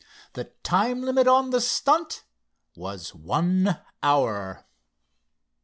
The time limit on the stunt was one hour.